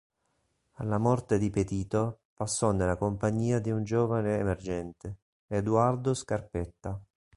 Alla morte di Petito passò nella compagnia di un giovane emergente: Eduardo Scarpetta.